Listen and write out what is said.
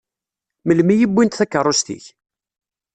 Melmi i wwint takeṛṛust-ik?